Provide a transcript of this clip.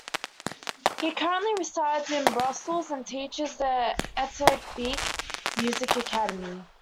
He currently resides in Brussels and teaches at the Etterbeek music academy.